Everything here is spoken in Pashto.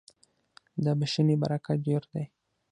• د بښنې برکت ډېر دی.